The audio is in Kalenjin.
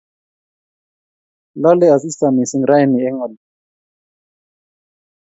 Lole asista missing raaini en oli.